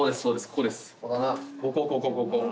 ここここここ。